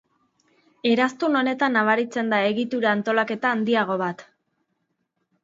Eraztun honetan nabaritzen da egitura antolaketa handiago bat.